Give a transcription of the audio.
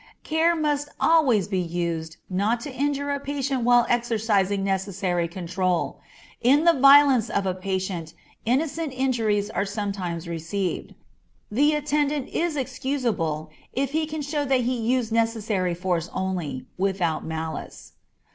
Care must always be used not to injure a patient while exercising necessary control. In the violence of a patient innocent injuries are sometimes received. The attendant is excusable if he can show that he used necessary force only, without malice.